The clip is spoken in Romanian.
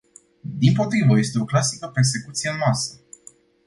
Dimpotrivă, este o clasică persecuție în masă.